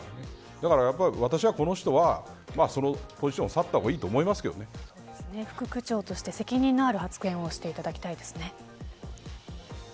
だから私はこの人がポジションを去った方が副区長として責任ある発言をしていただきたいですね。